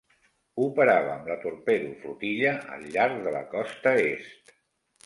Operava amb la Torpedo Flotilla al llarg de la costa est.